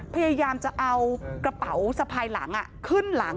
พยายามจะเอากระเป๋าสะพายหลังขึ้นหลัง